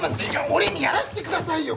俺にやらせてくださいよ！